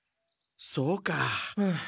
そうか。